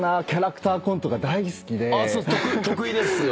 得意ですよ